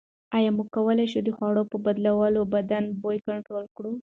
ایا موږ کولای شو د خوړو په بدلولو بدن بوی کنټرول کړو؟